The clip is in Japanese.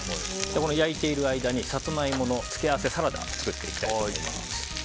焼いている間にサツマイモの付け合わせのサラダを作っていきます。